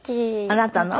あなたの？